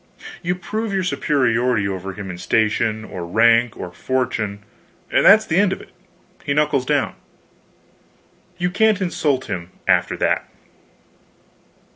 You prove your superiority over him in station, or rank, or fortune, and that's the end of it he knuckles down. You can't insult him after that.